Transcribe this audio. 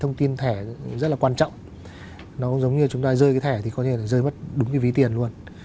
thông tin thẻ rất là quan trọng nó giống như chúng ta rơi cái thẻ thì có thể rơi mất đúng cái ví tiền luôn